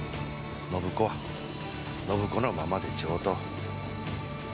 暢子は暢子のままで上等。